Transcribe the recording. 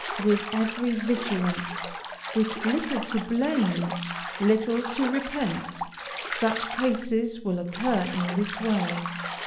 "With every vigilance, with little to blame, little to repent, such cases will occur in this world.